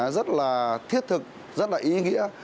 rất là thiết thực rất là ý nghĩa